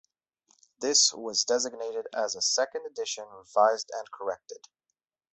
This was designated as a "second edition, revised and corrected".